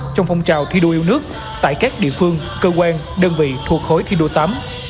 trong phong trào thi đua yêu nước tại các địa phương cơ quan đơn vị thuộc khối thi đua tám